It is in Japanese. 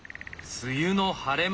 梅雨の晴れ間